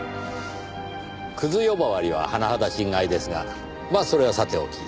クズ呼ばわりは甚だ心外ですがまあそれはさておき。